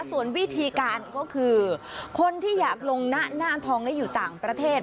ส่วนวิธีการก็คือคนที่อยากลงหน้าทองและอยู่ต่างประเทศ